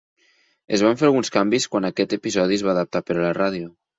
Es van fer alguns canvis quan aquest episodi es va adaptar per a la ràdio.